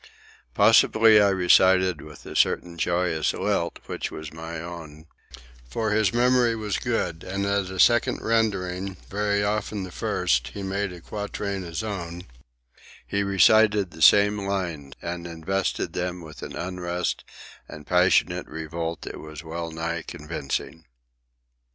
Possibly I recited with a certain joyous lilt which was my own, for—his memory was good, and at a second rendering, very often the first, he made a quatrain his own—he recited the same lines and invested them with an unrest and passionate revolt that was well nigh convincing.